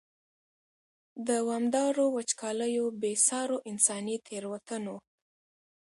دوامدارو وچکالیو، بې سارو انساني تېروتنو.